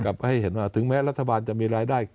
ให้เห็นว่าถึงแม้รัฐบาลจะมีรายได้